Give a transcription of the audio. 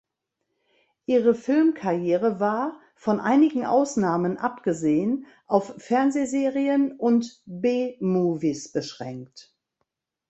Ihre Filmkarriere war, von einigen Ausnahmen abgesehen, auf Fernsehserien und B-Movies beschränkt.